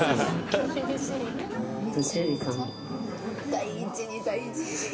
大事に大事に。